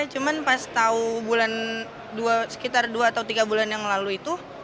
cuman pas tahu bulan sekitar dua atau tiga bulan yang lalu itu